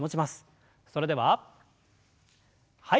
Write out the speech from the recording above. それでははい。